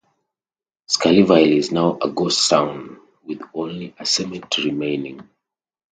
Skullyville is now a ghost town, with only a cemetery remaining.